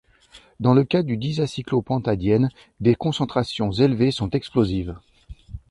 Dans le cas du diazocyclopentadiène, des concentrations élevées sont explosives.